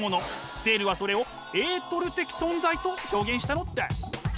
セールはそれをエートル的存在と表現したのです。